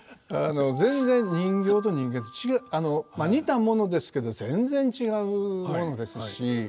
全然人間と人形て違う似たものですけど全然違うものですし。